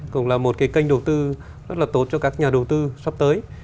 cũng là một cái kênh đầu tư rất là tốt cho các nhà đầu tư sắp tới